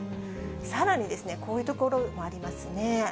さらにですね、こういうところもありますね。